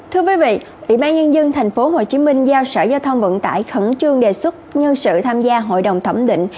thưa quý vị ủy ban nhân dân tp hcm giao sở giao thông vận tải khẩn trương đề xuất nhân sự tham gia hội đồng thẩm định